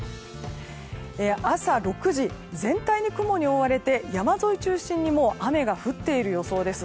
朝６時、全体が雲に覆われていて山沿い中心にも雨が降っている予想です。